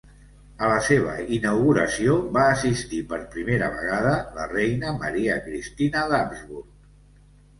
A la seva inauguració va assistir per primera vegada la reina Maria Cristina d'Habsburg.